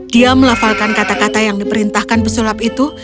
dia melafalkan kata kata yang diperintahkan pesulap itu